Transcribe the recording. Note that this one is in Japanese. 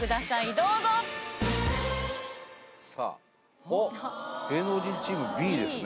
どうぞさあおっ芸能人チームＢですね